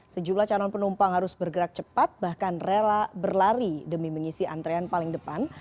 sejumlah calon penumpang harus bergerak cepat bahkan rela berlari demi mengisi antrean paling depan